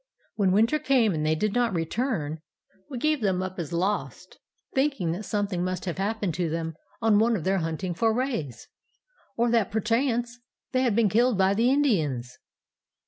When winter came and they did not return, we gave them up as lost, thinking that something must have happened to them on one of their hunting forays, or that perchance they had been killed by the Indians.